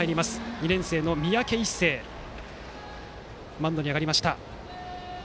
２年生の三宅一誠がマウンドに上がりました。